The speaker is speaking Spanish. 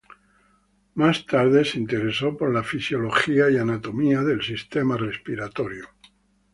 Más tarde se interesó por la fisiología y anatomía del sistema respiratorio.